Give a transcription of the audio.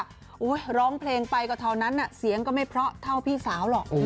ร้องเพลงไปก็เท่านั้นเสียงก็ไม่เพราะเท่าพี่สาวหรอก